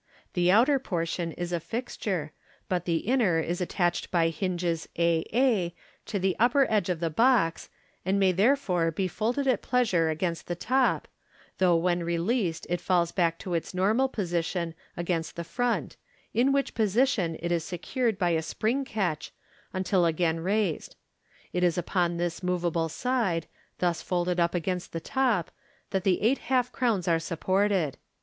The outer portion is a fixture, but the inner is attached by hinges a a to the upper edge of the box, and may therefore be folded at pleasure against the top, though when released it falls back to its normal position against the front, in which position it is secured by a spring catch until again raised. It is upon this moveable side, thus folded up against the top, that the eight half crowns are supported.